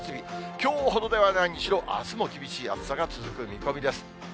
きょうほどではないにしろ、あすも厳しい暑さが続く見込みです。